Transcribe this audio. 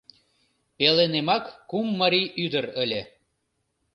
Пеленемак кум марий ӱдыр ыле.